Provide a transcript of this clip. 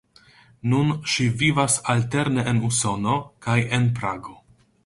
Nun ŝi vivas alterne en Usono kaj en Prago.